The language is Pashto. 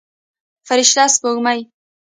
فرشته سپوږمۍ